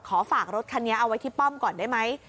ฝากรถคันนี้เอาไว้ที่ป้อมก่อนได้ไหม